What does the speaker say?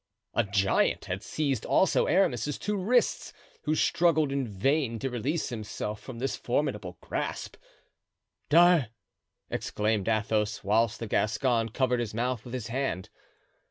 A giant had seized also Aramis's two wrists, who struggled in vain to release himself from this formidable grasp. "D'Art——" exclaimed Athos, whilst the Gascon covered his mouth with his hand.